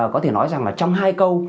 có thể nói rằng là trong hai câu